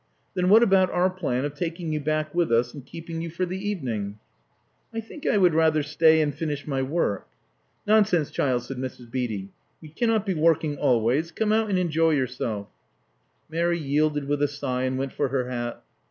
"Then what about our plan of taking ypu back with us and keeping ygu for the evening?" "I think I would rather stay and finish my work." "Nonsense, child," said Mrs. Beatty. "You can not be working always. Come out and enjoy yourself." Mary yielded with a sigh, and went for her hat.